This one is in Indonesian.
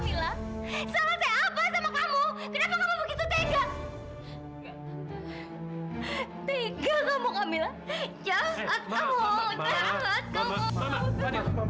kamu telah memberikan harapan kepada saya untuk ketemu dengan taufan